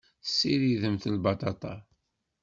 Tessiridemt lbaṭaṭa.